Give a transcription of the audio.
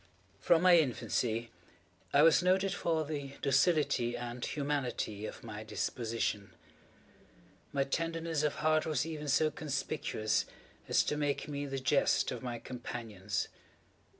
From my infancy I was noted for the docility and humanity of my disposition. My tenderness of heart was even so conspicuous as to make me the jest of my companions.